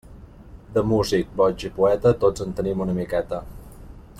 De músic, boig i poeta, tots en tenim una miqueta.